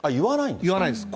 言わないです。